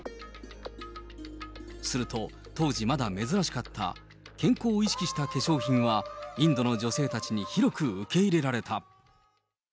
すると、当時、まだ珍しかった健康を意識した化粧品はインドの女性たちに広く受け入れられた。